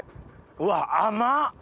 うわ甘っ！